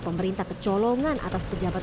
pemerintah kecolongan atas pejabat